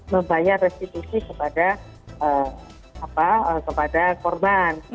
membayar restitusi kepada korban